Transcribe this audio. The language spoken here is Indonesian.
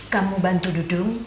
kamu bantu dudung